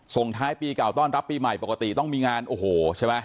ส่งท้ายปีเก่าต้อนรับปีใหม่ปกติต้องมีงานโอ้โหใช่ไหม